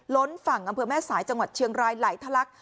ล้นฝั่งอำเภอแม่สายจังหวัดเชียงรายไหลทะลัก